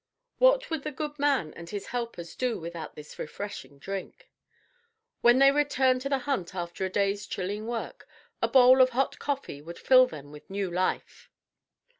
What would the good man and his helpers do without this refreshing drink? When they returned to the hut after a day's chilling work, a bowl of hot coffee would fill them with new life.